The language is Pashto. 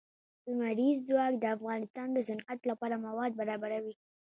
لمریز ځواک د افغانستان د صنعت لپاره مواد برابروي.